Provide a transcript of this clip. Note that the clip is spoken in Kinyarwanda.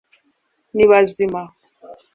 ni bazima